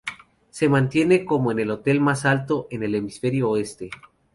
Se mantiene como el hotel más alto en el Hemisferio Oeste.